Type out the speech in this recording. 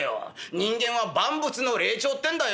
人間は万物の霊長ってんだよ。